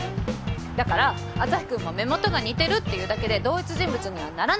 だからアサヒくんも目元が似てるっていうだけで同一人物にはならないと思う。